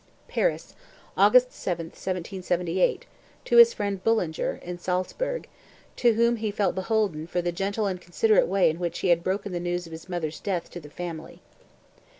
(Paris, August 7, 1778, to his friend Bullinger, in Salzburg, to whom he felt beholden for the gentle and considerate way in which he had broken the news of his mother's death to the family.)